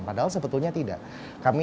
padahal sebetulnya tidak